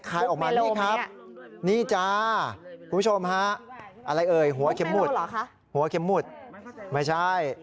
ลายออกมานี่ครับนี่จ้าคุณผู้ชมฮะอะไรเอ่ยหัวเข็มหมุดหัวเข็มหมุดไม่ใช่